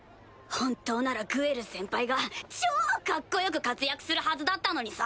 本当ならグエル先輩が超かっこよく活躍するはずだったのにさ。